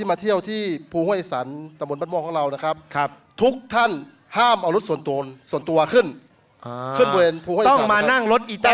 ไปอีกคันหนึ่งกลับอีกคันหนึ่ง